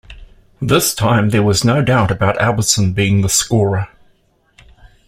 This time there was no doubt about Albertsen being the scorer.